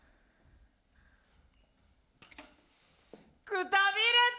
くたびれた！